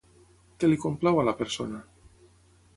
Què li complau a la persona?